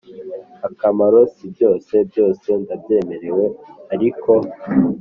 akamaro si byose Byose ndabyemererwa ariko